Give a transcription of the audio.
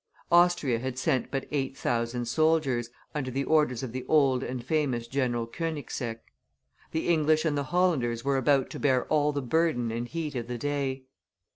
Austria had sent but eight thousand soldiers, under the orders of the old and famous General Konigseck; the English and the Hollanders were about to bear all the burden and heat of the day.